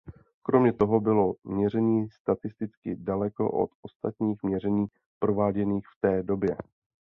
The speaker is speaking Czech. Kromě toho bylo měření statisticky daleko od ostatních měření prováděných v té době.